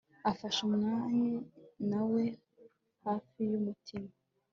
Afashe umwana we hafi yumutima